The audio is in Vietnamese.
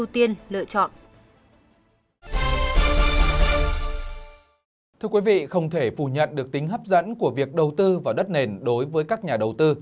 thưa quý vị không thể phủ nhận được tính hấp dẫn của việc đầu tư vào đất nền đối với các nhà đầu tư